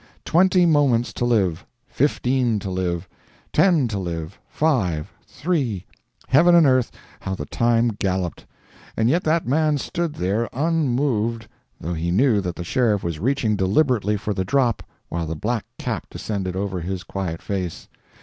Twenty moments to live—fifteen to live—ten to live—five—three—heaven and earth, how the time galloped!—and yet that man stood there unmoved though he knew that the sheriff was reaching deliberately for the drop while the black cap descended over his quiet face!